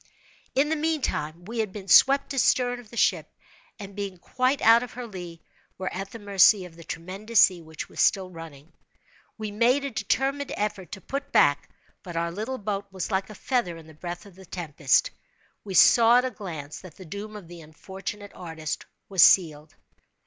In the meantime, we had been swept astern of the ship, and being quite out of her lee, were at the mercy of the tremendous sea which was still running. We made a determined effort to put back, but our little boat was like a feather in the breath of the tempest. We saw at a glance that the doom of the unfortunate artist was sealed.